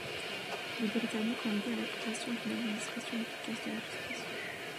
Les Britanniques ont aidé à la création d'une administration efficace de la justice.